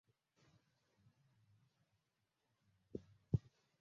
Wanyama wanaishi katika ufukwe wa ziwa hili